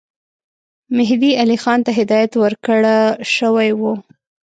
مهدي علي خان ته هدایت ورکړه شوی وو.